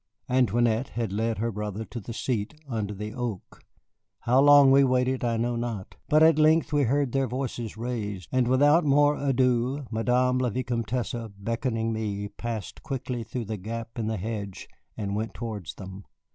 Antoinette had led her brother to the seat under the oak. How long we waited I know not, but at length we heard their voices raised, and without more ado Madame la Vicomtesse, beckoning me, passed quickly through the gap in the hedge and went towards them.